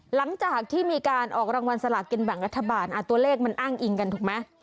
หลังจากที่มีการออกรางวัลสลากินแบ่งรัฐบาลตัวเลขมันอ้างอิงกันถูกไหม